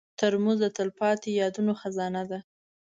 ترموز د تلپاتې یادونو خزانه ده.